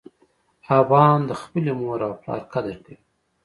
افغان د خپلې مور او پلار قدر کوي.